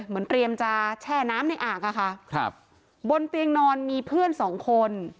เตรียมจะแช่น้ำในอ่างอะค่ะครับบนเตียงนอนมีเพื่อนสองคน